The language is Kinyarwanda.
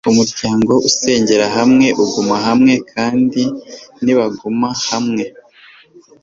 umuryango usengera hamwe uguma hamwe, kandi nibaguma hamwe